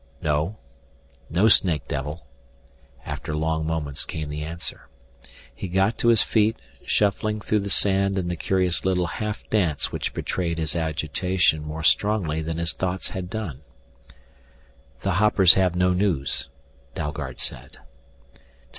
"No, no snake devil " after long moments came the answer. He got to his feet, shuffling through the sand in the curious little half dance which betrayed his agitation more strongly than his thoughts had done. "The hoppers have no news," Dalgard said.